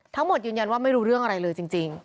ยืนยันว่าไม่รู้เรื่องอะไรเลยจริง